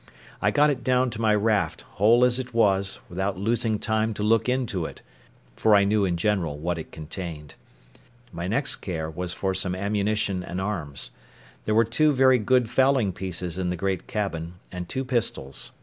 I got it down to my raft, whole as it was, without losing time to look into it, for I knew in general what it contained. My next care was for some ammunition and arms. There were two very good fowling pieces in the great cabin, and two pistols.